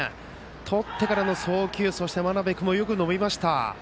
とってからの送球そして真鍋君もよく伸びました。